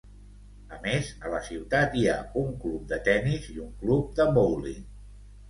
A més, a la ciutat hi ha un club de tennis i un club de bowling.